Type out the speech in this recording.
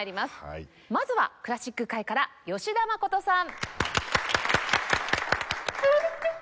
まずはクラシック界から吉田誠さん。